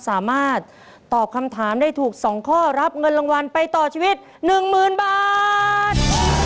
สามารถตอบคำถามได้ถูก๒ข้อรับเงินรางวัลไปต่อชีวิต๑๐๐๐บาท